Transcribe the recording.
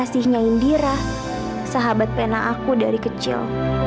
kasihnya indira sahabat pena aku dari kecil